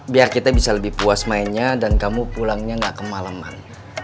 biar kita bisa lebih puas mainnya dan kamu pulangnya gak kemaleman